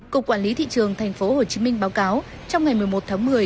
cục quản lý thị trường tp hcm báo cáo trong ngày một mươi một tháng một mươi